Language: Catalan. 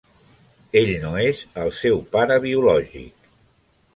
Ell no és el seu pare biològic.